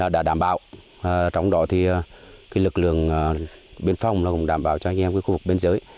đã đảm bảo trong đó thì lực lượng biên phòng cũng đảm bảo cho anh em khu vực biên giới